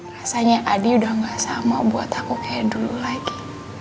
rasanya adi udah gak sama buat aku kayak dulu lagi